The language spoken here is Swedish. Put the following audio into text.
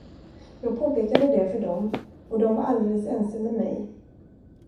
Jag påpekade det för dem, och de var alldeles ense med mig.